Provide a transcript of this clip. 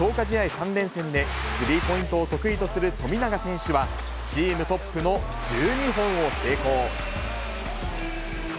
３連戦で、スリーポイントを得意とする富永選手は、チームトップの１２本を成功。